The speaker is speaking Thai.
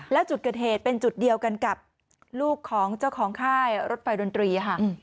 และจุดเกิดเหตุเป็นจุดเดียวกันกับลูกของเจ้าของค่ายรถไฟดนตรีค่ะ